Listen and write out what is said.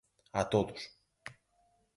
A todos.